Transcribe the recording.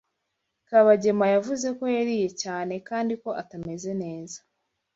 Kabagema yavuze ko yariye cyane kandi ko atameze neza.